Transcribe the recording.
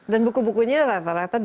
dan buku bukunya rata rata